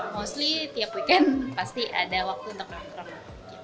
mostly tiap weekend pasti ada waktu untuk nongkrong